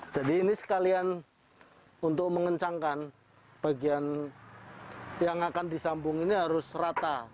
ini sekalian untuk mengencangkan bagian yang akan disambung ini harus rata